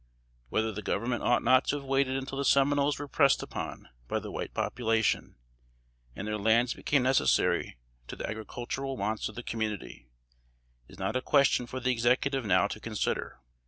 Whether the Government ought not to have waited until the Seminoles were pressed upon by the white population, and their lands become necessary to the agricultural wants of the community, is not a question for the Executive now to consider.